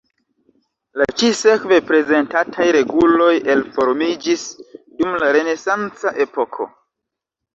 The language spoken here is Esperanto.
La ĉi-sekve prezentataj reguloj elformiĝis dum la renesanca epoko.